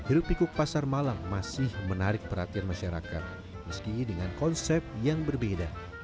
hirup pikuk pasar malam masih menarik perhatian masyarakat meski dengan konsep yang berbeda